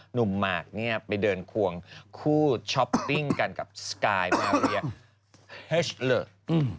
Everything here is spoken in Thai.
หนุ่มมาร์คเนี่ยไปเดินควงคู่ช็อปติ้งกันกับสไกร์มาเฮชหรือ